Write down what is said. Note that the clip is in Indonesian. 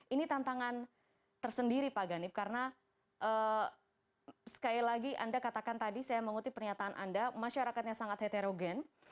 ini tantangan tersendiri pak ganip karena sekali lagi anda katakan tadi saya mengutip pernyataan anda masyarakatnya sangat heterogen